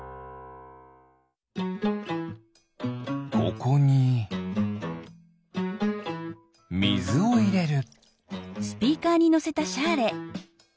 ここにみずをいれる。